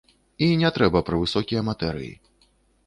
І не трэба пра высокія матэрыі.